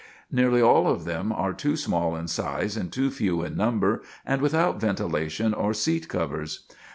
Nearly all of them are too small in size and too few in number, and without ventilation or seat covers.